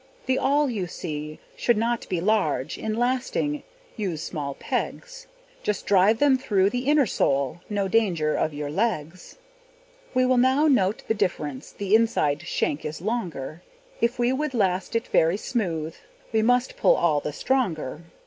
The awl, you see, should not be large; In lasting use small pegs; Just drive them through the inner sole, No danger of your legs. We will now note the difference: The inside shank is longer; If we would last it very smooth, We must pull all the stronger.